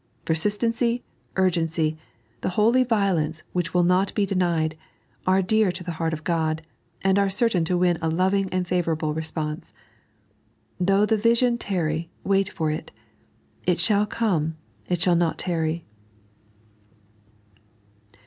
Per sistency, urgency, the holy violence which will not be denied, are dear to the heart of God, and are certain to win a loving and favourable response. " Though the vision tarry, wait for it : it shall come, it shall not tarry."